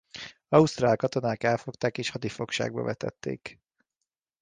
Ausztrál katonák elfogták és hadifogságba vetették.